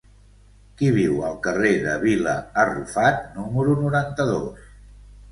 Qui viu al carrer de Vila Arrufat número noranta-dos?